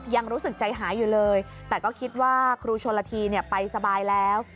ยังรู้สึกใจหายอยู่เลยแต่ก็คิดว่าครูชนละทีไปสบายแล้ว